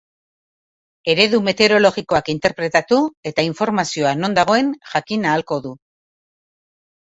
Eredu meteorologikoak interpretatu eta informazioa non dagoen jakin ahalko du.